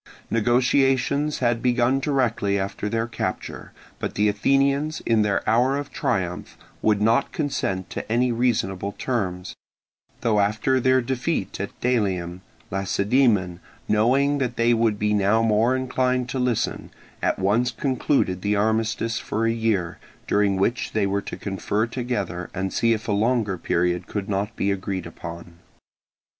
Negotiations had been begun directly after their capture, but the Athenians in their hour of triumph would not consent to any reasonable terms; though after their defeat at Delium, Lacedaemon, knowing that they would be now more inclined to listen, at once concluded the armistice for a year, during which they were to confer together and see if a longer period could not be agreed upon.